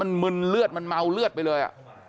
มาถึงแล้วก็หลวงเนี่ย